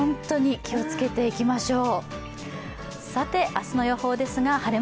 気をつけていきましょう。